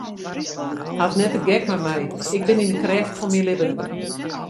Haw net de gek mei my, ik bin yn de krêft fan myn libben.